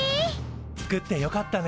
作ってよかったね。